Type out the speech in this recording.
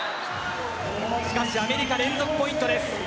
しかしアメリカ連続ポイントです。